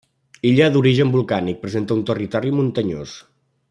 Illa d'origen volcànic, presenta un territori muntanyós.